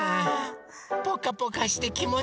ポカポカしてきもちいいよね！